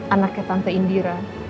anaknya tante indira